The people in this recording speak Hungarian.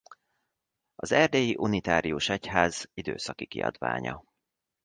Az Erdélyi Unitárius Egyház időszaki kiadványa.